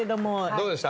どうでした？